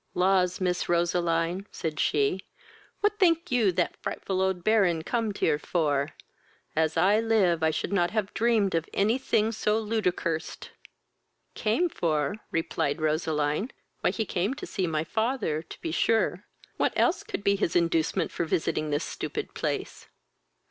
"Laws, Miss Roseline, (said she,) what think you that frightful old Baron comed here for? As I live I should not have dreamed of any thing so ludicurst!" "Came for? (replied Roseline,) why he came to see my father to be sure; what else could be his inducement for visiting this stupid place?"